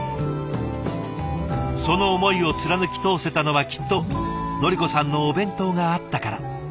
その思いを貫き通せたのはきっとのり子さんのお弁当があったから。